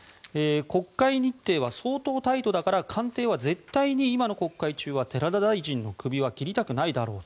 国会日程は相当タイトだから官邸は絶対に今の国会中は寺田大臣のクビは切りたくないだろう